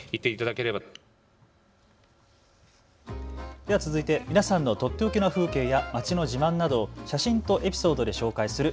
では続いて皆さんのとっておきの風景や街の自慢などを写真とエピソードで紹介する＃